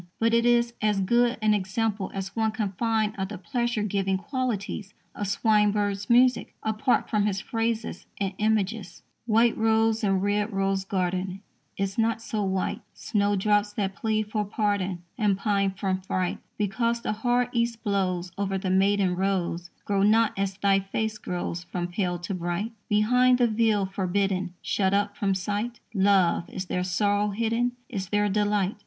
But it is as good an example as one can find of the pleasure giving qualities of Swinburne's music, apart from his phrases and images: White rose in red rose garden Is not so white; Snowdrops that plead for pardon And pine from fright, Because the hard East blows Over their maiden rows, Grow not as thy face grows from pale to bright. Behind the veil, forbidden, Shut up from sight, Love, is there sorrow hidden, Is there delight?